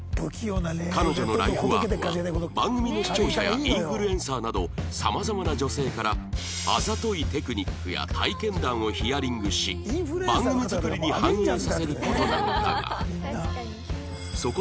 彼女のライフワークは番組の視聴者やインフルエンサーなどさまざまな女性からあざといテクニックや体験談をヒアリングし番組作りに反映させる事なのだが